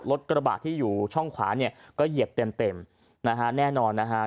รถกระบะที่อยู่ช่องขวาเนี่ยก็เหยียบเต็มเต็มนะฮะแน่นอนนะฮะ